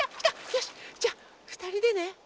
よしじゃあふたりでね。